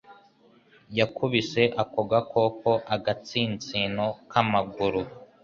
Yakubise ako gakoko agatsinsino kamaguru.